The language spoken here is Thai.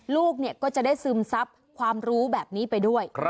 ลูกก็จะได้ซึมซับความรู้แบบนี้ไปด้วย